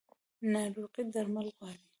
ناروغي درمل غواړي